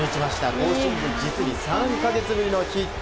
今シーズン実に３か月ぶりのヒット。